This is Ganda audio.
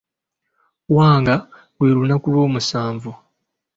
Wanga lwe lunaku olwomusanvu.